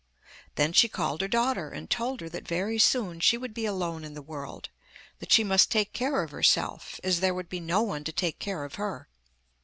Then she called her daughter and told her that very soon she would be alone in the world; that she must take care of herself, as there would be no one to take care of her.